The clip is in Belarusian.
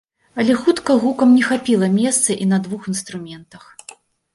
Але хутка гукам не хапіла месца і на двух інструментах.